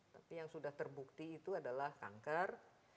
tapi yang sudah terbukti itu adalah kanker